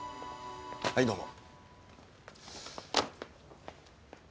はいどうも。